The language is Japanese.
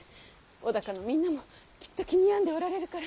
尾高のみんなもきっと気に病んでおられるから。